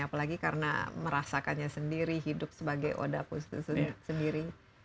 apalagi karena merasakannya sendiri hidup sebagai odaku sendiri